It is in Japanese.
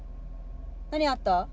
何あった？